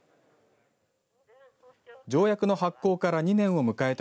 条約の発効から２年を迎えた